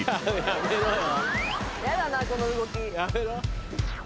やめろよ。